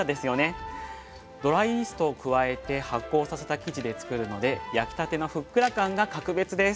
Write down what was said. ドライイーストを加えて発酵させた生地でつくるので焼きたてのふっくら感が格別です。